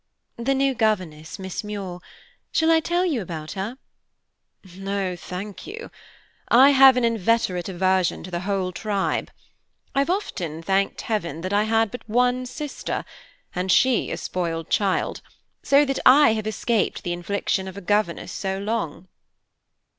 "The new governess, Miss Muir. Shall I tell you about her?" "No, thank you. I have an inveterate aversion to the whole tribe. I've often thanked heaven that I had but one sister, and she a spoiled child, so that I have escaped the infliction of a governess so long."